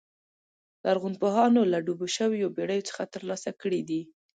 لرغونپوهانو له ډوبو شویو بېړیو څخه ترلاسه کړي دي